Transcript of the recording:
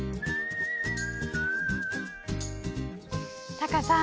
タカさん